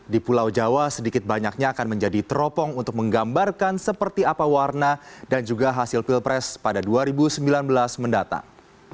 di pulau jawa sedikit banyaknya akan menjadi teropong untuk menggambarkan seperti apa warna dan juga hasil pilpres pada dua ribu sembilan belas mendatang